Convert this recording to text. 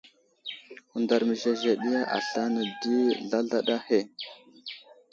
Hundar məzezeɗiya aslane di, zlazlaɗa ahe.